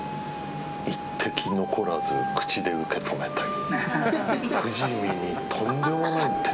一滴残らず口で受け止めたい。